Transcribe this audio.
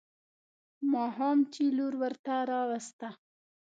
ماښام چې لور ورته راوسته.